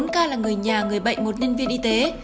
bốn ca là người nhà người bệnh một nhà